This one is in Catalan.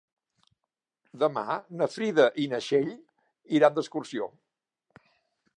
Demà na Frida i na Txell iran d'excursió.